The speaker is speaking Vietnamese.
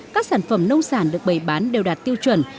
các sản phẩm nông sản được bày bán đều đạt tiêu chuẩn